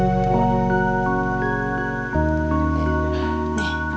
nih kamu cobain